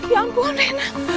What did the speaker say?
ya ampun rena